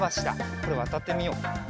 これわたってみよう。